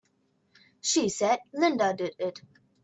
She said Linda did it!